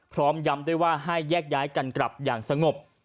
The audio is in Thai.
พร้อมย้ำด้วยว่าให้แยกย้ายกันกลับอย่างสงบ